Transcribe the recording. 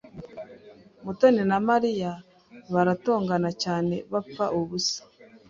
Mutoni na Mariya baratongana cyane bapfa ubusa.